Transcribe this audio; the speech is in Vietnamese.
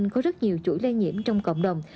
có rất nhiều chuỗi lây nhiễm trong cộng đồng